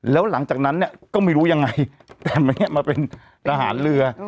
แล้วหลังจากนั้นเนี่ยก็ไม่รู้ยังไงแต่ไม่มาเป็นทหารเรือ